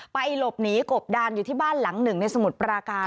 หลบหนีกบดานอยู่ที่บ้านหลังหนึ่งในสมุทรปราการ